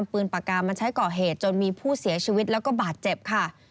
ปืนปากกามาใช้ก่อเหตุจนมีผู้เสียชีวิตแล้วก็บาดเจ็บค่ะ